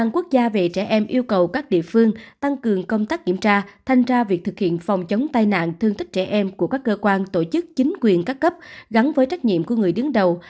quốc gia về trẻ em yêu cầu các địa phương tăng cường công tác kiểm tra thanh tra việc thực hiện phòng chống tai nạn thương tích trẻ em của các cơ quan tổ chức chính quyền các cấp gắn với trách nhiệm của người đứng đầu